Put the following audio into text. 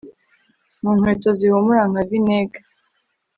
mu nkweto zihumura nka vinegere